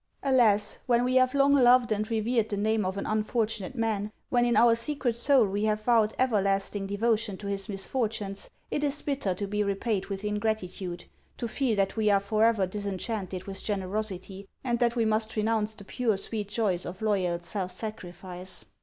Alas ' when \ve have long loved and revered the name of an unfortunate man, when in our secret sonl we have vowed everlasting devotion to his misfortunes, it is bitter to be repaid with ingratitude, to feel that we are forever disenchanted writh generosity, and that we must renounce HANS OF ICELAND. 345 the pure, sweet joys of loyal self sacrifice.